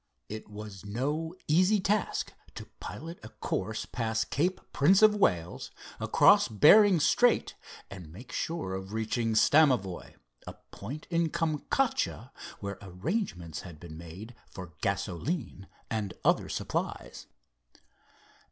It was no easy task to pilot a course past Cape Prince of Wales, across Bering Strait and make sure of reaching Stamavoie, a point in Kamchatka where arrangements had been made for gasoline and other supplies.